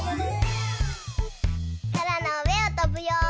そらのうえをとぶよ！